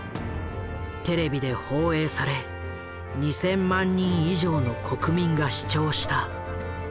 テレビで放映され２，０００万人以上の国民が視聴した。